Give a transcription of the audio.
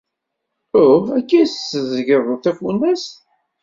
Uh, akka ay tetteẓẓgeḍ tafunast?